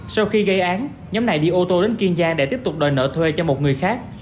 sau khi gây án nhóm này đi ô tô đến kiên giang để tiếp tục đòi nợ thuê cho một người khác